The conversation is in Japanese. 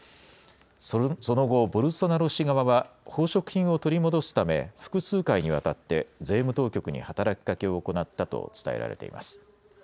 その後、ボルソナロ氏側は宝飾品を取り戻すため複数回にわたって税務当局に働きかけを行ったと伝えられています。